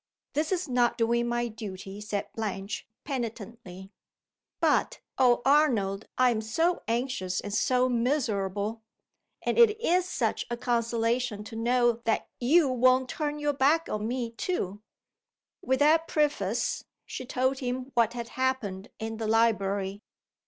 "This is not doing my duty," said Blanche, penitently. "But, oh Arnold, I am so anxious and so miserable! And it is such a consolation to know that you won't turn your back on me too!" With that preface she told him what had happened in the library.